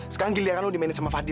sekarang giliran lo dimainin sama fadil